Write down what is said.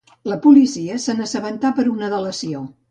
La policia se n'assabentà per una delació.